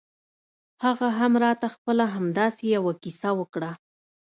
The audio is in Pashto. هغه هم راته خپله همداسې يوه کيسه وکړه.